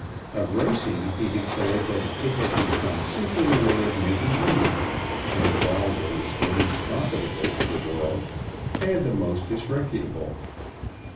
Of racing he declared that it had become simply a way of making money, and of all ways the least profitable to the world and the most disreputable.